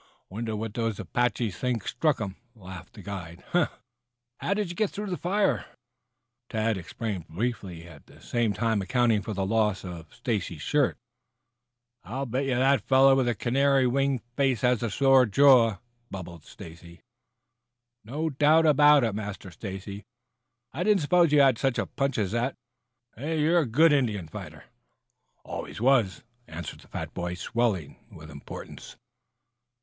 Wonder what those Apaches think struck them," laughed the guide. "How did you get through the fire?" Tad explained briefly; at the same time accounting for the loss of Stacy's shirt. "I bet that the fellow with the canary wing face has a sore jaw," bubbled Stacy. "No doubt of it, Master Stacy. I didn't suppose you had such a punch as that. You're a good Indian fighter." "Always was," answered the fat boy, swelling with importance.